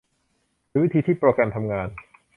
หรือวิธีที่โปรแกรมทำงาน